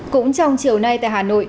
cũng trong chiều nay tại hà nội